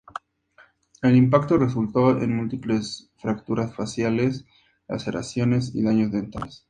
El impacto resultó en múltiples fracturas faciales, laceraciones y daños dentales.